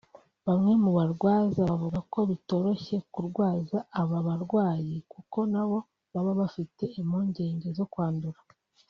Bamwe mu barwaza bavuga ko bitoroshye kurwaza aba barwayi kuko nabo baba bafite impungenge zo kwandura